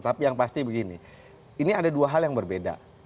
tapi yang pasti begini ini ada dua hal yang berbeda